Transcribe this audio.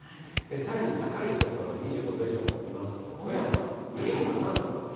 さらに高い所、２５度以上を見ますと、富山２７度。